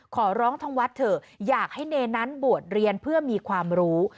ขอร้องทางวัดเถอะอยากให้เนรนั้นบวชเรียนเพื่อมีความรู้